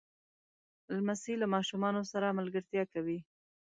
لمسی له ماشومانو سره ملګرتیا کوي.